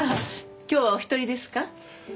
今日はお一人ですか？